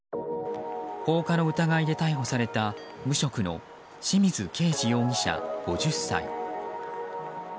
放火の疑いで逮捕された無職の清水圭次容疑者、５０歳。